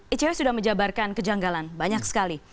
icw sudah menjabarkan kejanggalan banyak sekali